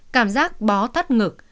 cảm giác bó thắt ngực